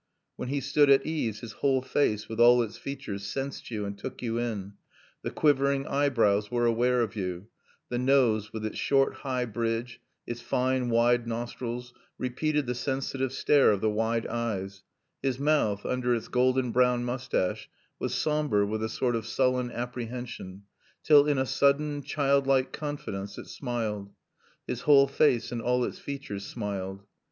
When he stood at ease his whole face, with all its features, sensed you and took you in; the quivering eyebrows were aware of you; the nose, with its short, high bridge, its fine, wide nostrils, repeated the sensitive stare of the wide eyes; his mouth, under its golden brown moustache, was somber with a sort of sullen apprehension, till in a sudden, childlike confidence it smiled. His whole face and all its features smiled.